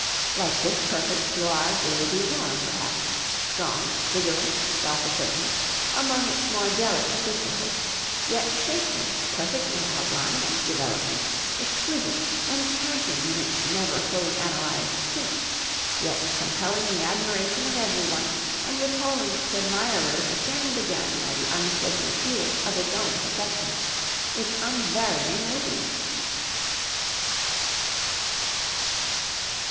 Like this perfect Gloire de Dijon, perhaps; strong, vigorous, self asserting, among its more delicate sisterhood; yet shapely, perfect in outline and development, exquisite, enchanting in its never fully analyzed tints, yet compelling the admiration of every one, and recalling its admirers again and again by the unspoken appeal of its own perfection its unvarying radiance.